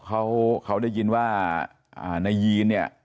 เขาเขาได้ยินว่านายยีนเนี่ย